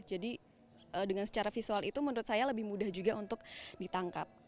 jadi dengan secara visual itu menurut saya lebih mudah juga untuk ditangkap